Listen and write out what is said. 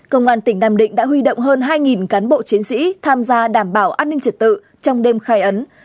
công an tỉnh nam định đã huy động hơn hai cán bộ chiến sĩ tham gia đảm bảo an ninh trật tự trong đêm khai ấn